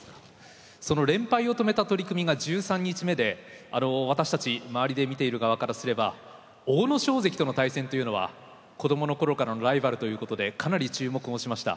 その連敗を止めた取組が１３日目で私たち周りで見ている側からすれば阿武咲関との対戦というのは子供の頃からのライバルということでかなり注目もしました。